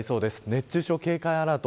熱中症警戒アラート